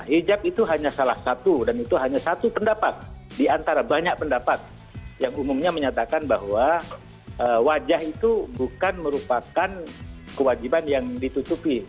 hijab itu hanya salah satu dan itu hanya satu pendapat diantara banyak pendapat yang umumnya menyatakan bahwa wajah itu bukan merupakan kewajiban yang ditutupi